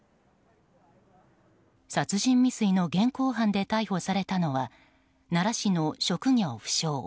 殺人未遂の現行犯で逮捕されたのは奈良市の職業不詳